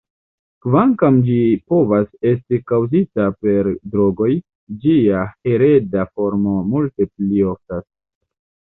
Kvankam ĝi povas esti kaŭzita per drogoj, ĝia hereda formo multe pli oftas.